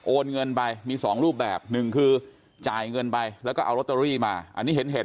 โอนเงินไปมีสองรูปแบบหนึ่งคือจ่ายเงินไปแล้วก็เอาลอตเตอรี่มาอันนี้เห็น